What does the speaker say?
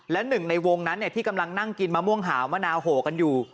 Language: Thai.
และหนึ่งในวงนั้นที่กำลังนั่งกินมะม่วงหาวมะนาวโหกันอยู่